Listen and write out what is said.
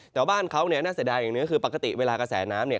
แต่ว่าบ้านเขาเนี่ยน่าเสียดายอย่างเนื้อคือปกติเวลากระแสน้ำเนี่ย